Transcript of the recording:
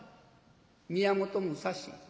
「宮本武蔵」。